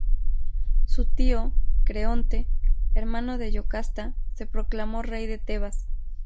Su tío, Creonte, hermano de Yocasta, se proclamó rey de Tebas.